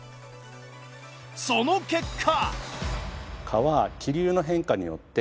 その結果。